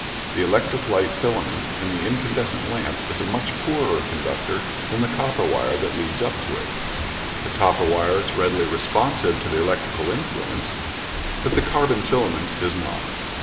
The electric light filament in the incandescent lamp is a much poorer conductor than the copper wire that leads up to it. The copper wire is readily responsive to the electrical influence, but the carbon filament is not.